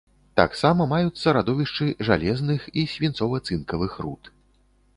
Таксама маюцца радовішчы жалезных і свінцова-цынкавых руд.